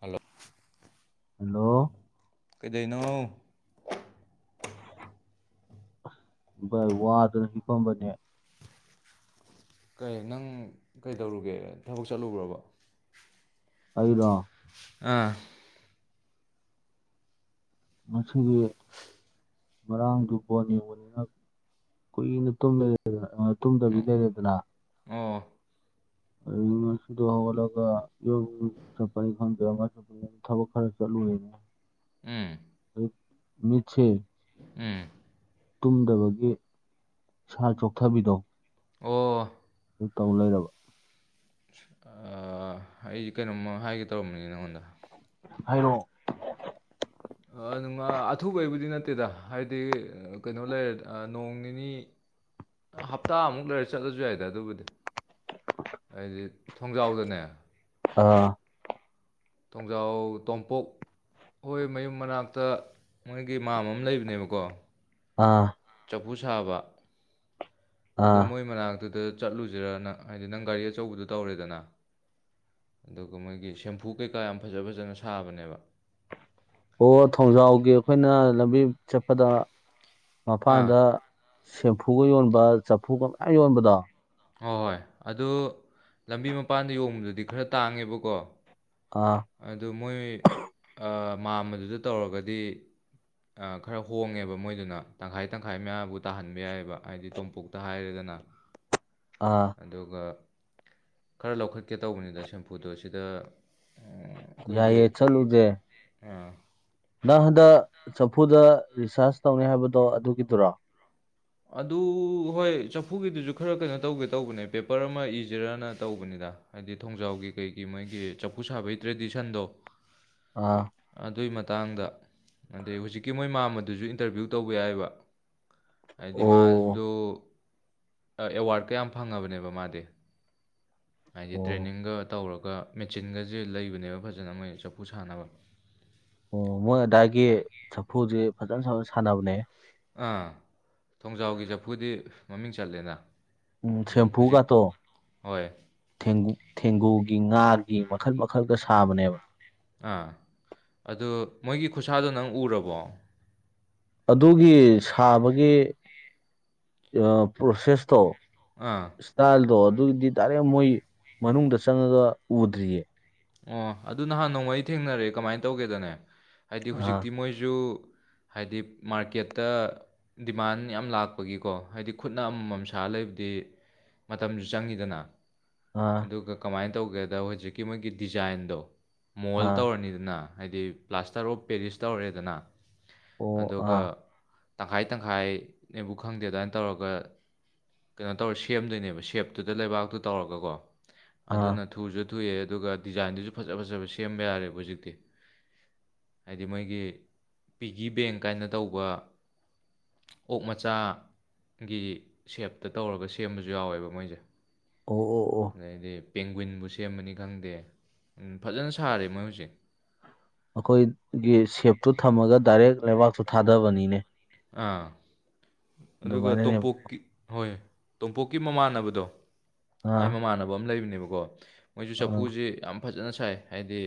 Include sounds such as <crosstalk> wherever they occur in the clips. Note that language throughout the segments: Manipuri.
ꯍꯜꯂꯣ ꯍꯜꯂꯣ ꯀꯩꯗꯧꯔꯤꯅꯣ ꯋꯥꯗꯅ ꯍꯤꯄꯝꯕꯅꯦ ꯀꯩ ꯅꯪ ꯀꯩꯗꯧꯔꯨꯒꯦ ꯊꯕꯛ ꯆꯠꯂꯨꯕ꯭ꯔꯕ ꯑꯩꯔꯣ ꯑꯥ ꯃꯁꯤꯒꯤ ꯃꯔꯥꯡꯗꯨ ꯕꯣꯜ ꯌꯦꯡꯕꯅꯤꯅ ꯀꯨꯏꯅ ꯇꯨꯝꯗꯕꯤ ꯂꯩꯔꯦꯗꯅ ꯑꯣ ꯑꯗꯨ ꯉꯁꯤꯗꯣ ꯍꯧꯒꯠꯂꯒ ꯊꯕꯛ ꯈꯔ ꯆꯠꯂꯨ ꯑꯣꯏꯅ ꯎꯝ ꯃꯤꯠꯁꯦ ꯎꯝ ꯇꯨꯝꯗꯕꯒꯤ ꯁꯥꯔ ꯆꯣꯛꯊꯕꯤꯗꯣ ꯑꯣ ꯑꯗꯨ ꯇꯧ ꯂꯩꯔꯕ ꯑꯩꯁꯦ ꯀꯩꯅꯣꯃ ꯍꯥꯏꯒꯦ ꯇꯧꯔꯝꯕꯅꯤ ꯅꯪꯉꯣꯟꯗ ꯍꯥꯏꯔꯛꯑꯣ ꯑꯊꯨꯕꯩꯕꯨꯗꯤ ꯅꯠꯇꯦꯗ ꯍꯥꯏꯗꯤ ꯀꯩꯅꯣ ꯂꯩꯔꯦ ꯅꯣꯡ ꯅꯤꯅꯤ ꯍꯞꯇꯥꯃꯨꯛ ꯂꯩꯔ ꯆꯠꯂꯁꯨ ꯌꯥꯏꯗ ꯑꯗꯨꯕꯨꯗꯤ ꯍꯥꯏꯗꯤ ꯊꯣꯡꯖꯥꯎꯗꯅꯦ ꯑꯥ ꯇꯣꯡꯖꯥꯎ ꯇꯣꯝꯄꯣꯛ ꯍꯣꯏ ꯃꯌꯨꯝ ꯃꯅꯥꯛꯇ ꯃꯣꯏꯒꯤ ꯃꯥꯝ ꯑꯃ ꯂꯩꯕꯅꯦꯕꯀꯣ ꯑꯥ ꯆꯐꯨ ꯁꯥꯕ ꯑꯗꯨ ꯑꯥ ꯃꯣꯏ ꯃꯅꯥꯛꯇꯨꯗ ꯆꯠꯂꯨꯁꯤꯔ ꯅꯪ ꯍꯥꯏꯗꯤ ꯅꯪ ꯒꯥꯔꯤ ꯑꯆꯧꯕꯗꯣ ꯇꯧꯔꯦꯗꯅ ꯑꯗꯨꯒ ꯃꯣꯏꯒꯤ ꯁꯦꯝꯐꯨ ꯀꯩꯀꯥ ꯌꯥꯝ ꯐꯖ ꯐꯖꯅ ꯁꯥꯕꯅꯦꯕ ꯑꯣ ꯊꯣꯡꯖꯥꯎꯒꯤ ꯑꯩꯈꯣꯏꯅ ꯂꯝꯕꯤ ꯆꯠꯄꯗ ꯑꯥ ꯃꯄꯥꯟꯗ ꯁꯦꯝꯐꯨꯒ ꯌꯣꯟꯕ ꯆꯐꯨꯒ ꯃꯌꯥꯝ ꯌꯣꯟꯕꯗꯣ ꯍ ꯍꯣꯏ ꯑꯗꯨ ꯂꯝꯕꯤ ꯃꯄꯥꯟꯗ ꯌꯣꯡꯕꯗꯨꯗꯤ ꯈꯔ ꯇꯥꯡꯉꯦꯕꯀꯣ ꯑꯥ ꯑꯗꯨ ꯃꯣꯏ ꯃꯥꯝꯕꯗꯨꯗ ꯇꯧꯔꯒꯗꯤ ꯈꯔ ꯍꯣꯡꯉꯦꯕ ꯃꯣꯏꯗꯨꯅ ꯇꯪꯈꯥꯏ ꯇꯪꯈꯥꯏ ꯃꯌꯥꯝꯕꯨ ꯇꯥꯍꯟꯕ ꯌꯥꯏꯑꯕ ꯍꯥꯏꯗꯤ ꯇꯣꯝꯄꯣꯛꯇ ꯍꯥꯏꯔꯦꯗꯅ ꯑꯥ ꯑꯗꯨꯒ ꯈꯔ ꯂꯧꯈꯠꯀꯦ ꯇꯧꯕꯅꯤꯗ ꯁꯦꯝꯄꯨꯗꯣ ꯁꯤꯗ ꯎꯝ, ꯑꯩꯈꯣꯏꯒꯤ ꯌꯥꯏꯌꯦ ꯆꯂꯨꯖꯦ ꯑꯥ ꯅꯪ ꯍꯟꯗꯛ ꯆꯐꯨꯗ ꯔꯤꯆꯥꯥꯔꯖ ꯇꯧꯅꯤ ꯍꯥꯏꯕꯗꯣ ꯑꯗꯨꯒꯤꯗꯨꯔꯥ ꯑꯗꯨ ꯍꯣꯏ ꯆꯐꯨꯒꯤꯗꯨꯁꯨ ꯈꯔ ꯀꯩꯅꯣ ꯇꯧꯒꯦ ꯇꯧꯕꯅꯦ ꯄꯦꯄꯔ ꯑꯃ ꯏꯁꯤꯔꯅ ꯇꯧꯕꯅꯤꯗ ꯍꯥꯏꯗꯤ ꯊꯣꯡꯖꯥꯎꯒꯤ ꯀꯩꯒꯤ ꯃꯣꯏꯒꯤ ꯆꯐꯨ ꯁꯥꯕꯒꯤ ꯇ꯭ꯔꯦꯗꯤꯁꯟꯗꯣ ꯑꯥ ꯑꯗꯨꯒꯤ ꯃꯇꯥꯡꯗ ꯑꯗꯩ ꯍꯧꯖꯤꯛꯀꯤ ꯃꯣꯏ ꯃꯥꯝ ꯑꯗꯨꯁꯨ ꯏꯟꯇꯔꯚ꯭ꯌꯨ ꯇꯧꯕ ꯌꯥꯏꯕ ꯍꯥꯏꯗꯤ ꯑꯣ ꯃꯥꯗꯨ ꯑꯦꯋꯥꯔꯠ ꯀꯌꯥꯝ ꯐꯪꯉꯕꯅꯦꯕ ꯃꯥꯗꯤ ꯍꯥꯏꯗꯤ ꯑꯣ ꯇ꯭ꯔꯦꯅꯤꯡꯒ ꯇꯧꯔꯒ ꯑꯗꯨꯒ ꯃꯦꯆꯤꯟꯒꯁꯦ ꯂꯩꯕꯅꯦꯕ ꯐꯖꯅ ꯃꯣꯏ ꯆꯐꯨ ꯁꯥꯟꯅꯕ ꯑꯣ ꯃꯣꯏ ꯑꯗꯥꯒꯤ ꯆꯐꯨꯁꯦ ꯐꯖꯅ ꯁ ꯁꯥꯟꯅꯕꯅꯦ ꯑꯥ ꯊꯣꯡꯖꯥꯎꯒꯤ ꯆꯐꯨꯗꯤ ꯃꯃꯤꯡ ꯆꯠꯂꯦꯅ ꯎꯝ ꯑꯗꯨꯝ ꯍꯧꯖꯤꯛ ꯁꯦꯝꯄꯐꯨꯒꯇꯣ ꯍꯣꯏ ꯊꯦꯡꯒꯨ ꯊꯦꯡꯒꯨꯒꯤ ꯉꯥ ꯃꯈꯜ ꯃꯈꯜꯒ ꯁꯥꯕꯅꯦꯕ ꯑꯥ ꯑꯗꯨ ꯃꯣꯏꯒꯤ ꯈꯨꯠꯁꯥꯗꯣ ꯅꯪ ꯎꯔꯕꯣ ꯑꯗꯨꯒꯤ ꯁꯥꯕꯒꯤ ꯄ꯭ꯔꯣꯁꯦꯁꯇꯣ ꯑꯥ ꯏꯁꯇꯥꯜꯗꯣ ꯑꯗꯨ ꯑꯗꯨꯒꯤꯗꯤ ꯇꯥꯔꯦ ꯃꯣꯏ ꯃꯅꯨꯡꯗ ꯆꯪꯉꯒ ꯎꯗ꯭ꯔꯤꯌꯦ ꯑꯣ ꯑꯗꯨ ꯅꯍꯥꯟ ꯅꯣꯡꯃꯥ ꯊꯦꯡꯅꯔꯦ ꯀꯃꯥꯏꯅ ꯇꯧꯒꯦꯗꯅꯦ ꯍꯥꯏꯗꯤ ꯑꯥ ꯍꯧꯖꯤꯛꯇꯤ ꯃꯣꯏꯁꯨ ꯍꯥꯏꯗꯤ ꯃꯥꯔꯀꯦꯠꯇ ꯗꯤꯃꯥꯟ ꯌꯥꯝ ꯂꯥꯛꯄꯒꯤꯀꯣ ꯍꯥꯏꯗꯤ ꯈꯨꯠꯅ ꯑꯃꯃꯝ ꯁꯥ ꯂꯩꯕꯗꯤ ꯃꯇꯝꯁꯨ ꯆꯪꯉꯤꯗꯅ ꯑꯥ ꯑꯗꯨꯒ ꯀꯃꯥꯏꯅ ꯇꯧꯒꯦꯗ ꯍꯧꯖꯤꯛꯀꯤ ꯃꯣꯏꯒꯤ ꯗꯤꯖꯥꯏꯟꯗꯣ ꯃꯣꯜ ꯑꯥ ꯇꯧꯔꯅꯤꯗꯅ ꯍꯥꯏꯗꯤ ꯄ꯭ꯂꯥꯁꯇꯔ ꯑꯣꯐ ꯄꯦꯔꯤꯁ ꯇꯧꯔꯦꯗꯅ ꯑꯣ ꯑꯗꯨꯒ ꯑꯥ ꯇꯪꯈꯥꯏ ꯇꯪꯈꯥꯏꯅꯦꯕꯨ ꯈꯪꯗꯦ ꯗꯥꯏꯅ ꯇꯧꯔꯒ ꯀꯩꯅꯣ ꯇꯧꯔ ꯁꯦꯝꯗꯣꯏꯅꯦꯕ ꯁꯦꯞꯇꯨꯗ ꯂꯩꯕꯥꯛꯇꯨ ꯇꯧꯔꯒꯀꯣ ꯑꯥ ꯑꯗꯨꯅ ꯊꯨꯁꯨ ꯊꯣꯛꯑꯦ ꯑꯗꯨꯒ ꯗꯤꯖꯥꯏꯟꯗꯨꯁꯨ ꯐꯖ ꯐꯖꯕ ꯁꯦꯝꯕ ꯌꯥꯔꯦꯕ ꯍꯧꯖꯤꯛꯇꯤ ꯍꯥꯏꯗꯤ ꯃꯣꯏꯒꯤ ꯄꯤꯒꯤ ꯕꯦꯡ ꯀꯥꯏꯅ ꯇꯧꯕ ꯑꯣꯛ ꯃꯆꯥ ꯒꯤ ꯁꯦꯞꯇ ꯇꯧꯔꯒ ꯁꯦꯝꯕꯁꯨ ꯌꯥꯎꯋꯦꯕ ꯃꯣꯏꯁꯦ ꯑꯣ ꯑꯣ ꯑꯣ ꯑꯗꯩꯗꯤ ꯄꯦꯡꯒ꯭ꯋꯤꯟꯕꯨ ꯁꯦꯝꯕꯅꯤ ꯈꯪꯗꯦ ꯎꯝ ꯐꯖꯅ ꯁꯥꯔꯦ ꯃꯣꯏ ꯍꯧꯖꯤꯛ ꯑꯩꯈꯣꯏꯒꯤ ꯁꯦꯞꯇꯨ ꯊꯝꯃꯒ ꯗꯥꯏꯔꯦꯛ ꯂꯩꯕꯥꯛꯇꯨ ꯊꯥꯗꯕꯅꯤꯅꯦ ꯑꯥ ꯑꯗꯨꯒ ꯑꯗꯨꯃꯥꯏꯅꯅꯦꯕ ꯇꯣꯝꯄꯣꯛꯀꯤ ꯍꯣꯏ ꯇꯣꯝꯄꯣꯛꯀꯤ ꯃꯃꯥꯟꯅꯕꯗꯣ ꯃꯥꯏ ꯑꯥ ꯃꯃꯥꯟꯅꯕ ꯑꯃ ꯂꯩꯕꯅꯦꯕ ꯑꯗꯨꯒ ꯃꯣꯏꯁꯨ ꯑꯥ ꯆꯐꯨꯁꯦ ꯌꯥꯝ ꯐꯖꯅ ꯁꯥꯏ ꯍꯥꯏꯗꯤ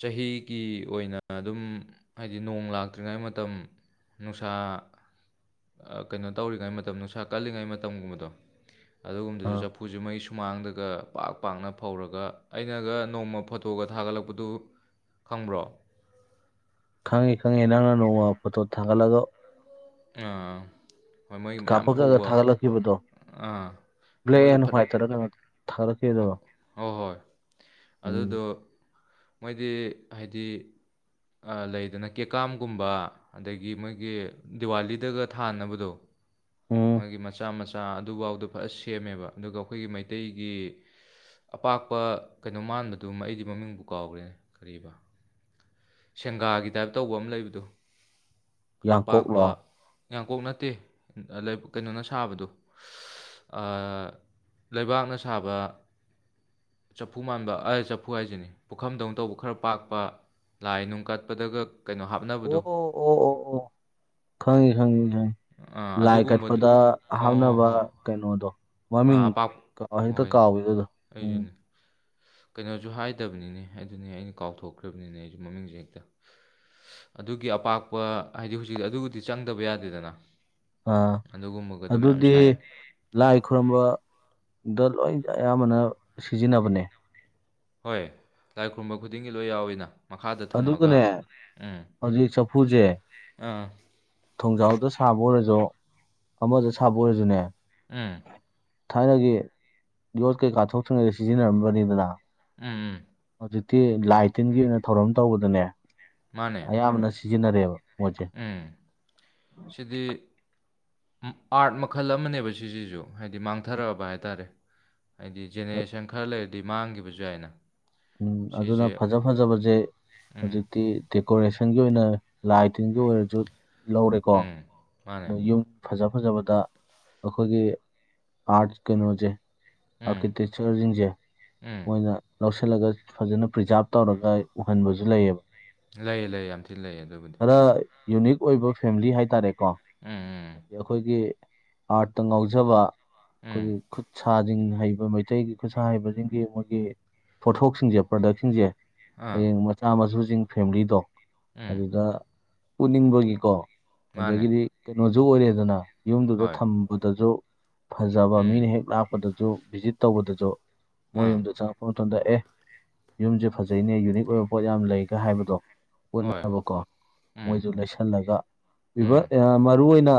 ꯆꯍꯤꯒꯤ ꯑꯣꯏꯅ ꯑꯗꯨꯝ ꯍꯥꯏꯗꯤ ꯅꯣꯡ ꯂꯥꯛꯇ꯭ꯔꯤꯉꯩ ꯃꯇꯝ ꯅꯨꯡꯁꯥ ꯀꯩꯅꯣ ꯇꯧꯔꯤꯉꯩ ꯃꯇꯝ ꯅꯨꯡꯁꯥ ꯀꯜꯂꯤꯉꯩ ꯃꯇꯝꯒꯨꯝꯕꯗꯣ ꯑꯗꯨꯒꯨꯝꯕꯗꯁꯨ ꯑꯥ ꯆꯐꯨꯁꯨ ꯃꯩ ꯁꯨꯃꯥꯡꯗꯒ ꯄꯥꯛ ꯄꯥꯛꯅ ꯐꯧꯔꯒ ꯑꯩꯅꯒ ꯅꯣꯡꯃ ꯐꯣꯇꯣꯒ ꯊꯥꯒꯠꯂꯛꯄꯗꯨ ꯈꯪꯕ꯭ꯔꯣ ꯈꯪꯉꯦ ꯈꯪꯉꯦ ꯅꯪꯅ ꯅꯣꯡꯃ ꯐꯣꯇꯣ ꯊꯥꯡꯒꯠꯂꯒ ꯑꯥ ꯍꯣꯏ ꯃꯩ ꯃꯌꯥꯝ ꯀꯥꯞꯄꯒꯒ ꯐꯧꯕ ꯊꯥꯒꯠꯂꯛꯈꯤꯕꯗꯣ ꯑꯥ ꯑꯗꯨ ꯕ꯭ꯂꯦꯛ ꯃꯣꯏꯗꯨ ꯑꯦꯟ ꯐꯅ ꯍ꯭ꯋꯥꯏꯠ ꯇꯔ ꯀꯩꯅꯣ ꯍꯣ ꯊꯥꯒꯠꯂꯛꯈꯤꯕꯗꯣ ꯍꯣꯏ ꯍꯣꯏ ꯎꯝ ꯑꯗꯨꯗꯣ ꯃꯣꯏꯗꯤ ꯍꯥꯏꯗꯤ ꯂꯩꯗꯅ ꯀꯦꯀꯥꯝꯒꯨꯝꯕ ꯑꯗꯒꯤ ꯃꯣꯏꯒꯤ ꯗꯤꯋꯥꯂꯤꯗꯒ ꯊꯥꯟꯅꯕꯗꯣ ꯎꯝ ꯃꯥꯒꯤ ꯃꯆꯥ ꯃꯁꯨ ꯆꯥ ꯑꯗꯨꯐꯥꯎꯗꯣ ꯐꯖ ꯁꯦꯝꯃꯦꯕ ꯑꯗꯨꯒ ꯑꯩꯈꯣꯏꯒꯤ ꯃꯩꯇꯩꯒꯤ ꯑꯄꯥꯛꯄ ꯀꯩꯅꯣ ꯃꯥꯟꯕꯗꯨꯃ ꯑꯩꯗꯤ ꯃꯃꯤꯡꯕꯨ ꯀꯥꯎꯈ꯭ꯔꯦꯅꯦ ꯀꯔꯤꯕ ꯁꯦꯡꯒꯥꯒꯤ ꯇꯥꯏꯞ ꯇꯧꯕ ꯑꯃ ꯂꯩꯕꯗꯨ ꯌꯥ ꯄꯥꯛꯄ ꯌꯥꯡꯀꯣꯛ ꯅꯠꯇꯦ ꯀꯩꯅꯣꯅ ꯁꯥꯕꯗꯣ ꯂꯩꯕꯥꯛꯅ ꯁꯥꯕ ꯆꯐꯨ ꯃꯥꯟꯕ ꯑ ꯆꯐꯨ ꯍꯥꯏꯁꯤꯅꯤ ꯄꯨꯈꯝꯗꯧꯅ ꯇꯧꯕ ꯈꯔ ꯄꯥꯛꯄ ꯂꯥꯏ ꯅꯨꯡ ꯀꯠꯄꯗꯒ ꯀꯩꯅꯣ ꯑꯣ ꯍꯥꯞꯅꯕꯗꯣ ꯑꯣ ꯑꯣ ꯑꯣ ꯑꯣ ꯍꯪ ꯑꯥ ꯂꯥꯏ ꯑꯗꯨꯒꯨꯝꯕꯗꯨ ꯀꯠꯄꯗ ꯑꯣ ꯍꯣ ꯍꯥꯞꯅꯕ ꯍꯣꯏ ꯀꯩꯅꯣꯗꯣ ꯑꯥ ꯃꯃꯤꯡ ꯑꯄꯥꯛ ꯍꯦꯛꯇ ꯍꯣꯏ ꯀꯥꯎꯋꯤ ꯑꯗꯨꯗꯣ ꯎꯝ ꯀꯩꯅꯣꯖꯨ ꯍꯥꯏꯗꯕꯅꯤꯅꯦ ꯑꯗꯨꯅꯦ ꯑꯩꯅ ꯀꯥꯎꯊꯣꯛꯈ꯭ꯔꯕꯅꯤꯅꯦ ꯑꯩꯁꯨ ꯃꯃꯤꯡꯁꯦ ꯍꯦꯛꯇ ꯑꯗꯨꯒꯤ ꯑꯄꯥꯛꯄ ꯍꯥꯏꯗꯤ ꯍꯧꯖꯤꯛꯇꯤ ꯑꯗꯨꯕꯨꯗꯤ ꯆꯪꯗꯕ ꯌꯥꯗꯦꯗꯅ ꯑꯥ ꯑꯗꯨꯒꯨꯝꯕꯒꯗꯣ ꯃꯌꯥꯝ ꯑꯗꯨꯗꯤ ꯁꯥꯏ ꯂꯥꯏ ꯈꯨꯔꯝꯕꯗ ꯂꯣꯏꯅ ꯑꯌꯥꯝꯕꯅ ꯁꯤꯖꯤꯟꯅꯕꯅꯦ ꯍꯣꯏ ꯂꯥꯏ ꯈꯨꯔꯨꯝꯕ ꯈꯨꯗꯤꯡꯒꯤ ꯂꯣꯏ ꯌꯥꯎꯋꯤꯅ ꯃꯈꯥꯗ ꯊꯝꯃꯒ ꯑꯗꯨꯒꯅꯦ ꯎꯝ ꯍꯧꯖꯤꯛ ꯆꯐꯨꯁꯦ ꯑꯥ ꯊꯣꯡꯖꯥꯎꯗ ꯁꯥꯕ ꯑꯣꯏꯔꯁꯨ ꯑꯃꯗ ꯁꯥꯕ ꯑꯣꯏꯔꯁꯨꯅꯦ ꯎꯝ ꯊꯥꯏꯅꯒꯤ ꯌꯣꯠ ꯀꯩꯀꯥ ꯊꯣꯛꯇ꯭ꯔꯤꯉꯩ ꯁꯤꯖꯤꯟꯅꯔꯝꯕꯅꯤꯗꯅ ꯎꯝ ꯎꯝ ꯍꯧꯖꯤꯛꯇꯤ ꯂꯥꯏ ꯇꯤꯟꯒꯤ ꯑꯣꯏꯅ ꯊꯧꯔꯝ ꯇꯧꯕꯗꯅꯦ ꯃꯥꯅꯦ ꯑꯌꯥꯝꯕꯅꯁꯤ ꯁꯤꯖꯤꯟꯅꯔꯦꯕ ꯃꯣꯏꯁꯦ ꯎꯝ ꯁꯤꯗꯤ ꯑꯥꯔꯠ ꯃꯈꯜ ꯑꯃꯅꯦꯕ ꯁꯤꯁꯤꯁꯨ ꯍꯥꯏꯗꯤ ꯃꯥꯡꯊꯔꯛꯑꯕ ꯍꯥꯏ ꯇꯔꯦ ꯍꯥꯏꯗꯤ ꯖꯦꯅꯦꯔꯦꯁꯟ ꯈꯔ ꯂꯩ ꯃꯥꯡꯈꯤꯕꯁꯨ ꯌꯥꯏꯅ ꯎꯝ ꯑꯗꯨꯅ ꯁꯤꯁꯦ ꯐꯖ ꯐꯖꯕꯁꯦ ꯎꯝ ꯍꯧꯖꯤꯛꯇꯤ ꯗꯦꯀꯣꯔꯦꯁꯟ ꯒꯤ ꯑꯣꯏꯅ ꯂꯥꯏ ꯇꯤꯟꯒꯤ ꯑꯣꯏꯔꯁꯨ ꯂꯧꯔꯦꯀꯣ ꯎꯝ ꯃꯥꯅꯦ ꯃꯣꯏ ꯌꯨꯝ ꯐꯖ ꯐꯖꯕꯗ ꯑꯩꯈꯣꯏꯒꯤ ꯑꯥꯔꯠ ꯀꯩꯅꯣꯖꯦ ꯎꯝ ꯑꯥꯔꯀꯤꯇꯦꯛꯆꯔꯁꯤꯡꯁꯦ ꯎꯝ ꯃꯣꯏꯅ ꯂꯧꯁꯤ ꯂꯒ ꯐꯖꯅ ꯄ꯭ꯔꯤꯖꯥꯕ ꯇꯧꯔꯒ ꯎꯍꯟꯕꯁꯨ ꯂꯩꯌꯦꯕ ꯂꯩꯌꯦ ꯂꯩ ꯌꯥꯝ ꯊꯤꯅ ꯂꯩ ꯑꯗꯨꯕꯨꯗꯤ ꯈꯔ ꯌꯨꯅꯤꯛ ꯑꯣꯏꯕ ꯐꯦꯃꯤꯂꯤ ꯍꯥꯏꯇꯥꯔꯦ ꯀꯣ ꯎꯝ ꯎꯝ ꯑꯗꯤ ꯑꯩꯈꯣꯏꯒꯤ ꯑꯥꯔꯠꯇ ꯉꯥꯎꯖꯕ ꯎꯝ ꯑꯩꯈꯣꯏꯒꯤ ꯈꯨꯠ ꯁꯥꯖꯤꯡ ꯍꯩꯕ ꯃꯩꯇꯩꯒꯤ ꯈꯨꯠꯁꯥ ꯍꯩꯕꯁꯤꯡꯒꯤ ꯃꯣꯏꯒꯤ ꯄꯣꯊꯣꯛꯁꯤꯡꯁꯦ ꯄ꯭ꯔꯗꯛꯁꯤꯡꯁꯦ ꯑꯥ ꯍꯌꯦꯡ ꯃꯆꯥ ꯃꯁꯨ ꯆꯤꯡ ꯐꯦꯃꯤꯂꯤꯗꯣ ꯎꯝ ꯑꯗꯨꯗ ꯄꯨꯟꯅꯤꯡꯕꯒꯤꯀꯣ ꯃꯥꯅꯦ ꯑꯗꯨꯗꯒꯗꯤ ꯀꯩꯅꯣ ꯗꯨ ꯑꯣꯏꯔꯦꯗꯅ ꯌꯨꯝꯗꯨꯗ ꯍꯣꯏ ꯊꯝꯕꯗꯁꯨ ꯐꯖꯕ ꯎꯝ ꯃꯤꯅ ꯍꯦꯛ ꯂꯥꯛꯄꯗ ꯨ ꯚꯤꯖꯤꯠ ꯇꯧꯕꯗꯁꯨ ꯃꯣꯏ ꯑꯥ ꯌꯨꯝꯗ ꯆꯪꯉꯛꯄ ꯃꯇꯝꯗ ꯑꯦ ꯌꯨꯝꯁꯦ ꯐꯖꯩꯅꯦ ꯌꯨꯅꯤꯛ ꯑꯣꯏꯕ ꯄꯣꯠ ꯌꯥꯝꯅ ꯂꯩꯒ ꯍꯥꯏꯕꯗꯣ ꯍꯣꯏ ꯍꯣꯠꯅꯕꯀꯣ ꯎꯝ ꯃꯣꯏꯁꯨ ꯂꯩꯁꯜꯂꯒ ꯎꯝ <unintelligible> ꯃꯔꯨ ꯑꯣꯏꯅ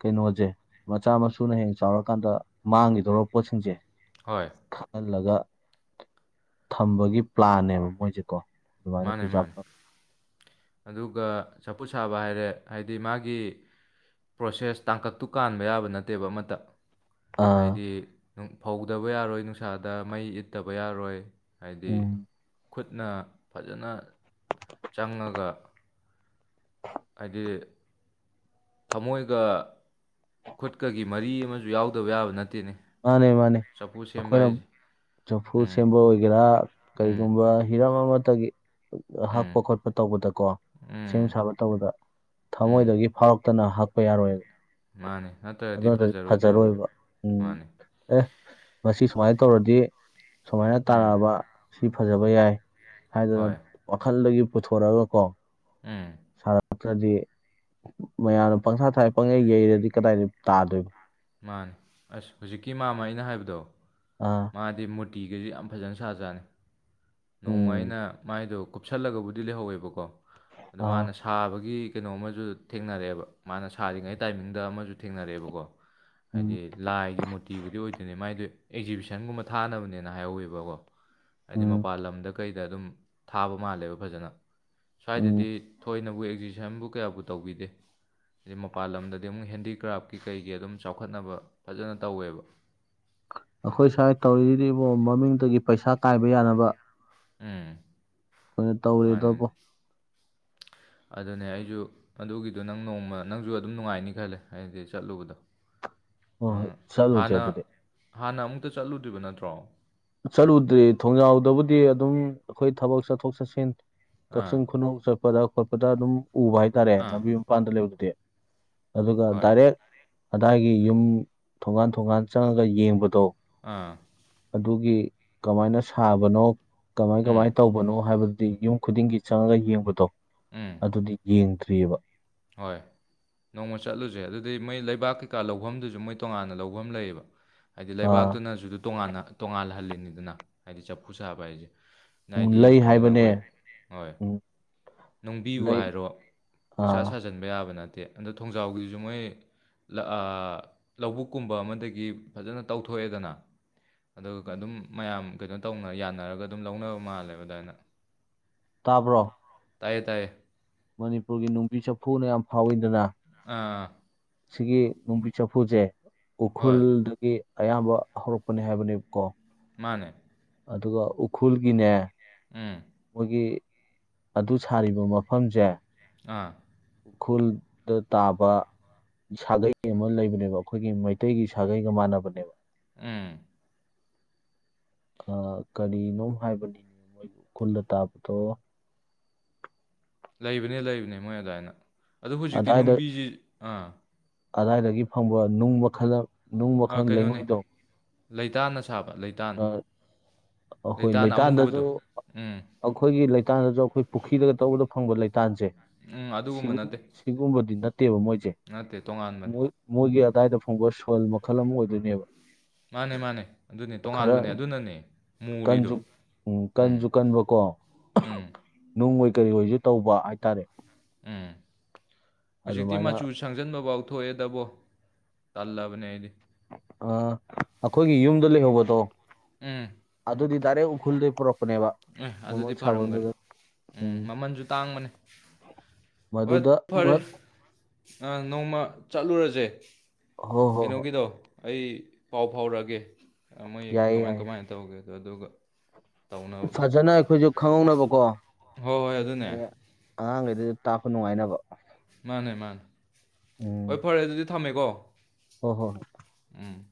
ꯀꯩꯅꯣꯁꯦ ꯃꯆꯥ ꯃꯁꯨꯅ ꯍꯦ ꯆꯥꯎꯔꯀꯥꯟꯗ ꯃꯥꯡꯒꯤꯗꯧꯔ ꯄꯣꯠꯁꯤꯡꯁꯦ ꯍꯣꯏ ꯊꯛꯍꯜꯂꯒ ꯊꯝꯕꯒꯤ ꯄ꯭ꯂꯥꯟꯅꯦꯕ ꯃꯣꯏꯁꯦ ꯀꯣ ꯃꯥꯅꯦ ꯃꯥꯅꯦ ꯑꯗꯨꯒ ꯆꯐꯨ ꯁꯥꯕ ꯍꯥꯏꯔꯦ ꯍꯥꯏꯗꯤ ꯃꯥꯒꯤ ꯄ꯭ꯔꯣꯁꯦꯁ ꯇꯥꯡꯀꯛꯇꯨ ꯀꯥꯟꯕ ꯌꯥꯕ ꯅꯠꯇꯦꯕ ꯑꯃꯇ ꯑꯥ ꯍꯥꯏꯗꯤ ꯐꯧꯗꯕ ꯌꯥꯔꯣꯏ ꯅꯨꯡꯁꯥꯗ ꯃꯩ ꯏꯠꯇꯕ ꯌꯥꯔꯣꯏ ꯍꯥꯏꯗꯤ ꯎꯝ ꯈꯨꯠꯅ ꯐꯖꯅ ꯆꯪꯉꯒ ꯍꯥꯏꯗꯤ ꯊꯃꯣꯏꯒ ꯈꯨꯠꯀꯒꯤ ꯃꯔꯤ ꯑꯃꯁꯨ ꯌꯥꯎꯗꯕ ꯌꯥꯕ ꯅꯠꯇꯦꯅꯦ ꯃꯥꯅꯦ ꯃꯥꯅꯦ ꯆꯐꯨ ꯁꯦꯝꯕ ꯑꯩꯈꯣꯏꯅ ꯍꯥꯏꯁꯦ ꯆꯐꯨ ꯎꯝ ꯁꯦꯝꯕ ꯑꯣꯏꯒꯦꯔꯥ ꯎꯝ ꯀꯩꯒꯨꯝꯕ ꯍꯤꯔꯝꯃꯇꯒꯤ ꯎꯝ ꯍꯛꯄ ꯈꯣꯠꯄ ꯇꯧꯕꯗꯀꯣ ꯁꯦꯝ ꯎꯝ ꯁꯥꯕ ꯇꯧꯕꯗ ꯎꯝ ꯊꯃꯣꯏꯗꯒꯤ ꯐꯥꯎꯔꯛꯇꯅ ꯍꯛꯄ ꯌꯥꯔꯣꯏꯕ ꯃꯥꯅꯦ ꯑꯗꯨ ꯅꯠꯇ꯭ꯔꯗꯤ ꯅꯇꯗꯤ ꯐꯖꯔꯣꯏꯗꯣꯏꯅꯦꯕ ꯐꯖꯔꯣꯏꯕ ꯎꯝ ꯃꯥꯅꯦ ꯑꯦ ꯃꯁꯤ ꯁꯨꯃꯥꯏꯅ ꯇꯧꯔꯗꯤ ꯁꯨꯃꯥꯏꯅ ꯎꯝ ꯇꯥꯔꯛꯑꯕ ꯁꯤ ꯐꯖꯕ ꯌꯥꯏ ꯍꯥꯏꯗꯅ ꯍꯣꯏ ꯋꯥꯈꯜꯗꯒꯤ ꯄꯨꯊꯣꯔꯒ ꯀꯣ ꯎꯝ ꯁꯥꯔꯛꯇ꯭ꯔꯗꯤ ꯃꯌꯥꯝꯅ ꯄꯪꯁꯥ ꯊꯥꯢ ꯄꯪꯌꯩ ꯌꯩꯔꯗꯤ ꯀꯗꯥꯏꯗ ꯇꯥꯗꯣꯏꯕ ꯃꯥꯅꯦ ꯑꯁ ꯍꯧꯖꯤꯛꯀꯤ ꯃꯥꯃ ꯑꯩꯅ ꯍꯥꯏꯕꯗꯣ ꯑꯥ ꯃꯥꯗꯤ ꯃꯨꯠ ꯇꯇꯤꯒꯁꯨ ꯌꯥꯝ ꯐꯖꯅ ꯁꯥꯖꯥꯅꯤ ꯎꯝ ꯅꯣꯡꯃꯩꯅ ꯃꯥꯏꯗꯨꯣ ꯀꯨꯞꯁꯜꯂꯒꯕꯨꯗꯤ ꯂꯩꯍꯧꯋꯦꯕꯀꯣ ꯑꯗꯨ ꯃꯥꯅ ꯑꯥ ꯁꯥꯕꯒꯤ ꯀꯩꯅꯣ ꯑꯃꯁꯨ ꯊꯦꯡꯅꯔꯛꯑꯦꯕ ꯃꯥꯅ ꯁꯥꯔꯤꯉꯩ ꯇꯥꯏꯃꯤꯡꯗ ꯑꯃꯁꯨ ꯊꯦꯡꯅꯔꯛꯑꯦꯕꯀꯣ ꯍꯥꯏꯗꯤ ꯎꯝ ꯂꯥꯏꯒꯤ ꯃꯨꯔꯇꯤꯕꯨꯗꯤ ꯑꯣꯏꯗꯣꯏꯅꯦ ꯃꯥꯏꯗꯨ ꯑꯦꯛꯖꯤꯕꯤꯁꯟꯒꯨꯝꯕ ꯊꯥꯅꯕꯅꯦꯅ ꯍꯥꯏꯍꯋꯦꯕꯀꯣ ꯍꯥꯏꯗꯤ ꯎꯝ ꯃꯄꯥꯟ ꯂꯝꯂꯝꯗ ꯀꯩꯗ ꯑꯗꯨꯝ ꯊꯥꯕ ꯃꯥꯜꯂꯦꯕ ꯐꯖꯅ ꯎꯝ ꯁ꯭ꯋꯥꯏꯗꯗꯤ ꯊꯣꯏꯅ ꯕꯨ ꯑꯦꯛꯖꯤꯕꯤꯁꯟꯕꯨ ꯀꯌꯥꯕꯨ ꯇꯧꯕꯤꯗꯦ ꯍꯥꯏꯩ ꯃꯄꯥꯟ ꯂꯝꯗꯗꯤ ꯑꯃꯨꯛ ꯍꯦꯟꯗꯤꯀ꯭ꯔꯥꯐꯀꯤ ꯀꯩ ꯑꯗꯨ ꯆꯥꯎꯈꯠꯅꯕ ꯐꯖꯅ ꯇꯧꯋꯦꯕ ꯑꯩꯈꯣꯏ ꯁ꯭ꯋꯥꯏ ꯇꯧꯔꯤꯗꯨꯔꯤꯕꯣ ꯃꯃꯤꯡꯗꯒꯤ ꯄꯩꯁꯥ ꯀꯥꯏꯕ ꯌꯥꯅꯕ ꯎꯝ ꯑꯩꯈꯣꯏꯅ ꯃꯥꯅꯤꯅꯦ ꯇꯧꯔꯤꯗꯕ ꯑꯗꯨꯅꯦ ꯑꯩꯁꯨ ꯑꯗꯨꯒꯤꯗꯣ ꯅꯪ ꯅꯣꯡꯃ ꯅꯪꯁꯨ ꯑꯗꯨꯝ ꯅꯨꯡꯉꯥꯏꯅꯤ ꯈꯜꯂꯦ ꯍꯥꯏꯗꯤ ꯆꯠꯂꯨꯕꯗꯣ ꯍꯣꯏ ꯍꯣꯏ ꯆꯠꯂꯨꯁꯦ ꯍꯥꯟꯅ ꯑꯗꯨꯗꯤ ꯍꯥꯟꯅ ꯑꯃꯨꯛꯇ ꯆꯠꯂꯨꯗ꯭ꯔꯤꯕ ꯅꯠꯇ꯭ꯔꯣ ꯇ꯭ꯔꯣ ꯆꯠꯂꯨꯗ꯭ꯔꯤ ꯊꯣꯡꯖꯥꯎꯗꯕꯨꯗꯤ ꯑꯗꯨꯝ ꯑꯩꯈꯣꯏ ꯊꯕꯛ ꯆꯠꯊꯣꯛ ꯆꯠꯁꯤꯟ ꯑꯥ ꯀꯛꯆꯤꯡ ꯈꯨꯅ ꯆ ꯈꯠꯄꯗ ꯈꯣꯠꯄꯗ ꯑꯗꯨꯝ ꯎꯕ ꯍꯥꯏꯇꯥꯔꯦ ꯑꯥ ꯂꯝꯕꯤ ꯃꯄꯥꯟꯗ ꯂꯩꯕꯗꯨꯗꯤ ꯑꯗꯨꯒ ꯍꯣꯏ ꯗꯥꯏꯔꯦꯛ ꯑꯗꯥꯏꯒꯤ ꯌꯨꯝ ꯊꯣꯡꯒꯥꯟ ꯊꯣꯡꯒꯥꯟ ꯆꯪꯉꯒ ꯌꯦꯡꯕꯗꯣ ꯑꯥ ꯑꯗꯨꯒꯤ ꯀꯃꯥꯏꯅ ꯁꯥꯕꯅꯣ ꯀꯃꯥꯏ ꯎꯝ ꯀꯃꯥꯏꯅ ꯇꯧꯕꯅꯣ ꯍꯥꯏꯕꯗꯨ ꯑ ꯌꯨꯝ ꯈꯨꯗꯤꯡꯒꯤ ꯆꯪꯉꯒ ꯌꯦꯡꯕꯗꯣ ꯎꯝ ꯑꯗꯨꯗꯤ ꯌꯦꯡ ꯇ ꯑꯕ ꯍꯣꯏ ꯅꯣꯡꯃ ꯆꯠꯂꯨꯁꯦ ꯑꯗꯨꯗꯤ ꯃꯣꯏ ꯂꯩꯕꯥꯛ ꯀꯩꯀꯥ ꯂꯧꯐꯝꯗꯨꯁꯨ ꯃꯣꯏ ꯇꯣꯉꯥꯟꯅ ꯂꯧꯐꯝ ꯂꯩꯌꯦꯕ ꯍꯥꯏꯗꯤ ꯑꯥ ꯂꯩꯕꯥꯛꯇꯨꯅꯁꯨ ꯇꯣꯉꯥꯟꯅ ꯇꯣꯉꯥꯜꯍꯜꯂꯤꯅꯤ ꯑꯗꯨꯅ ꯍꯥꯏꯗꯤ ꯆꯐꯨ ꯁꯥꯕ ꯍꯥꯏꯁꯦ ꯎꯝ ꯏꯗꯤ ꯂꯩ ꯌꯦꯡꯉꯨꯗꯅ ꯑꯩꯈꯣꯏ ꯍꯥꯏꯕꯅꯦ ꯍꯣꯏ ꯎꯝ ꯅꯪꯕꯤꯌꯨ ꯂꯩ ꯍꯥꯏꯔꯣ ꯥ ꯑꯥ ꯁꯥꯖꯟꯕ ꯌꯥꯕ ꯅꯠꯇꯦ ꯅꯠꯇꯦ ꯑꯗꯣ ꯊꯣꯡꯖꯥꯎꯒꯤꯁꯨ ꯃꯣꯏ ꯂ ꯑꯥ ꯂꯧꯕꯨꯛꯀꯨꯝꯕ ꯑꯃꯗꯒꯤ ꯐꯖꯅ ꯇꯧꯊꯣꯛꯑꯦꯗꯅ ꯑꯗꯨꯒ ꯑꯗꯨꯝ ꯃꯌꯥꯝ ꯀꯩꯅꯣ ꯇꯧꯅ ꯌꯥꯅꯔꯒ ꯑꯗꯨꯝ ꯂꯧꯅꯕ ꯃꯥꯜꯂꯦꯕ ꯑꯗꯥꯏꯅ ꯇꯥꯕ꯭ꯔꯣ ꯇꯥꯏꯌꯦ ꯇꯥꯏꯌꯦ ꯃꯅꯤꯄꯨꯔꯒꯤ ꯅꯨꯡꯕꯤ ꯆꯐꯨꯅ ꯌꯥꯝ ꯐꯥꯎꯋꯤꯗꯅ ꯑꯥ ꯁꯤꯒꯤ ꯅꯨꯡꯕꯤ ꯆꯐꯨꯁꯦ ꯍꯣꯏ ꯎꯈ꯭ꯔꯨꯜꯗꯒꯤ ꯑꯌꯥꯝꯕ ꯍꯧꯔꯛꯄꯅꯤ ꯍꯥꯏꯕꯅꯦꯕ ꯀꯣ ꯃꯥꯟꯅꯦ ꯑꯗꯨꯒ ꯎꯈ꯭ꯔꯨꯜꯒꯤꯅꯦ ꯎꯝ ꯃꯣꯏꯒꯤ ꯑꯗꯨ ꯁꯥꯔꯤꯕ ꯃꯐꯝꯁꯦ ꯑꯥ ꯎꯈ꯭ꯔꯨꯜꯗ ꯇꯥꯕ ꯁꯥꯒꯩ ꯑꯃ ꯂꯩꯕꯅꯦꯕ ꯑꯩꯈꯣꯏꯒꯤ ꯃꯩꯇꯩꯒꯤ ꯁꯥꯒꯩꯒ ꯃꯥꯟꯅꯕꯅꯦꯕ ꯎꯝ ꯀꯔꯤꯅꯣꯝ ꯍꯥꯏꯕꯅꯤꯅꯦ ꯃꯣꯏ ꯎꯈ꯭ꯔꯨꯜꯗ ꯇꯥꯕꯗꯣ ꯂꯩꯕꯅꯤ ꯂꯩꯕꯅꯤ ꯃꯣꯏ ꯑꯗꯥꯏꯅ ꯑꯗꯨ ꯍꯧꯖꯤꯛꯇꯤ ꯑꯗꯥꯏꯗ ꯅꯨꯡꯕꯤꯁꯤ ꯑꯥ ꯑꯗꯥꯏꯗꯒꯤ ꯐꯪꯕ ꯅꯨꯡ ꯃꯈꯜ ꯅꯨꯡ ꯃꯈꯜ ꯂꯩꯉꯣꯏꯗꯣ ꯂꯩꯇꯥꯅ ꯁꯥꯕ ꯂꯩꯇꯥꯟ ꯑꯥ, ꯑꯩꯈꯣꯏ ꯂꯩꯇꯥꯟ ꯂꯩꯇꯥꯟꯗꯁꯨ ꯑꯃꯨꯕꯗꯣ ꯎꯝ ꯑꯩꯈꯣꯏꯒꯤ ꯂꯩꯇꯥꯟꯗꯁꯨ ꯑꯩꯈꯣꯏ ꯄꯨꯈ꯭ꯔꯤꯗꯒ ꯇꯧꯕꯗ ꯐꯪꯕ ꯂꯩꯇꯥꯟꯁꯦ ꯎꯝ ꯑꯗꯨꯒꯨꯝꯕ ꯁꯤꯒꯨꯝꯕ ꯅꯠꯇꯦ ꯁꯤꯒꯨꯝꯕꯗꯤ ꯅꯠ ꯇꯦꯕ ꯃꯣꯏꯖꯦ ꯅꯠꯇꯦ ꯇꯣꯉꯥꯟꯕꯅꯦ ꯃꯣꯏ ꯃꯣꯏꯒꯤ ꯗꯥꯏꯗ ꯐꯪꯕ ꯁꯣꯏꯜ ꯃꯈꯜ ꯑꯃ ꯑꯣꯏꯗꯣꯏꯅꯦꯕ ꯃꯥꯟꯅꯦ ꯃꯥꯟꯅꯦ ꯑꯗꯨꯅꯦ ꯈꯔ ꯇꯣꯉꯥꯟꯕꯅꯦ ꯑꯗꯨꯅꯅꯦ ꯀꯟꯁꯨ ꯃꯨꯔꯤꯗꯣ ꯎꯝ ꯀꯟꯁꯨ ꯀꯟꯕꯀꯣ ꯎꯝ ꯅꯨꯡꯑꯣꯏ ꯀꯩ ꯑꯣꯏꯁꯨ ꯇꯧꯕ ꯍꯥꯏꯇꯥꯔꯦ ꯎꯝ ꯍꯧꯖꯤꯛꯇꯤ ꯑꯗꯨꯃꯥꯏꯅ ꯃꯆꯨ ꯁꯪꯖꯟꯕ ꯐꯥꯎ ꯊꯣꯛꯑꯦꯗꯕꯣ ꯇꯜꯂꯕꯅꯦ ꯑꯩꯗꯤ ꯑ ꯑꯈꯣꯏꯒꯤ ꯌꯨꯝꯗ ꯂꯩꯍꯧꯕꯗꯣ ꯎꯝ ꯑꯗꯨꯗꯤ ꯗꯥꯏꯔꯦꯛ ꯎꯈ꯭ꯔꯨꯜꯗꯩꯩ ꯄꯨꯔꯛ ꯑꯦ ꯑꯗꯨꯗꯤ ꯐꯔꯝꯒꯅꯤ ꯎꯝ ꯃꯃꯜꯁꯨ ꯇꯥꯡꯕꯅꯤ ꯍꯣꯏ ꯃꯗꯨꯗ ꯐꯔꯦ ꯃꯠ ꯑ ꯅꯣꯡꯃ ꯆꯠꯂꯨꯔꯁꯦ ꯍꯣ <unintelligible> ꯍꯣ ꯀꯩꯅꯣ ꯍꯣꯏ ꯀꯗꯣ ꯑꯩ ꯄꯥꯎ ꯐꯥꯎꯔꯛꯑꯒꯦ ꯃꯣꯏ ꯌꯥꯏꯌꯦ ꯀꯃꯥꯏ ꯌꯥꯏꯌꯦ ꯀꯃꯥꯏꯅ ꯇꯧꯒꯦ ꯑꯗꯨ ꯑꯗꯨꯒ ꯇꯧꯅꯕ ꯐꯖꯅ ꯑꯩꯈꯣꯏꯁꯨ ꯈꯪꯍꯧꯅꯕꯀꯣ ꯍꯣꯏ ꯍꯣꯏ ꯑꯗꯨꯅꯦ ꯑꯩ ꯑꯉꯥꯡꯈꯩ ꯑꯗꯨꯗ ꯇꯥꯛꯄ ꯅꯨꯡꯉꯥꯏꯅꯕ ꯃꯥꯅꯦ ꯃꯥꯅꯦ ꯑꯣ ꯐꯔꯦ ꯑꯗꯨ ꯊꯝꯃꯦꯀꯣ ꯍ ꯍꯣ ꯎꯝ